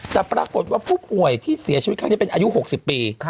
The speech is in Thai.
แต่ปรากฏว่าผู้ป่วยที่เสียชีวิตครั้งนี้เป็นอายุ๖๐ปี